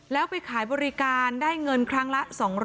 แล้วไปขายบริการได้เงินครั้งละ๒๐๐